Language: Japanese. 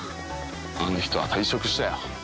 あの人は退職したよ。